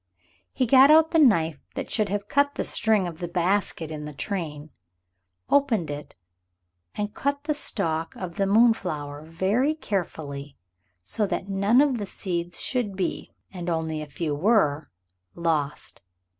He got out the knife that should have cut the string of the basket in the train, opened it and cut the stalk of the moonflower, very carefully so that none of the seeds should be, and only a few were, lost.